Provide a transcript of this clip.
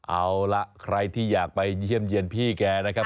เอาล่ะใครที่อยากไปเยี่ยมเยี่ยนพี่แกนะครับ